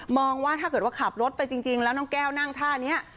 ว่าถ้าเกิดว่าขับรถไปจริงแล้วน้องแก้วนั่งท่านี้